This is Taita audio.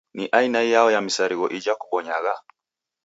Ni aina iyao ya misarigho ijha kubonyagha?